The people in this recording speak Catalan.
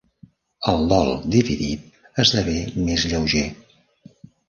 El dol dividit esdevé més lleuger.